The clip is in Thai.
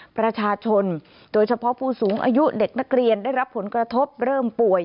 ประชาชนโดยเฉพาะผู้สูงอายุเด็กนักเรียนได้รับผลกระทบเริ่มป่วย